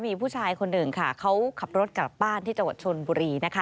มีผู้ชายคนหนึ่งค่ะเขาขับรถกลับบ้านที่จังหวัดชนบุรีนะคะ